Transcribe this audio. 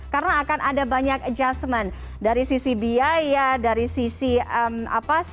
karena akan ada banyak adjustment dari sisi biaya dari sisi staff atau pekerja atau crew nya iya kan